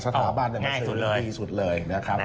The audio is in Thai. สถาบันก็คือดีสุดเลย